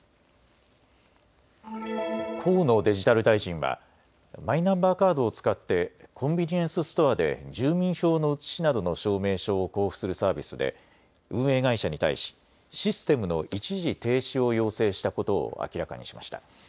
河野デジタル大臣はマイナンバーカードを使ってコンビニエンスストアで住民票の写しなどの証明書を交付するサービスで運営会社に対しシステムの一時停止を要請したことを明らかにしました。